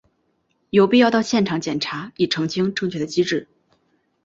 有必要到现场检查以澄清正确的机制。